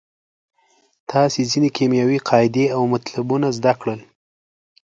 تاسې ځینې کیمیاوي قاعدې او مطلبونه زده کړل.